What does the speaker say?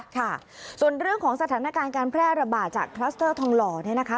ค่ะส่วนเรื่องของสถานการณ์การแพร่ระบาดจากคลัสเตอร์ทองหล่อเนี่ยนะคะ